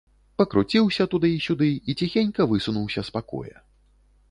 Пакруціўся туды і сюды і ціхенька высунуўся з пакоя.